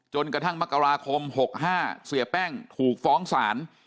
จนกระทั่งมกราคม๖๕เสียแป้งถูกฟ้องศาล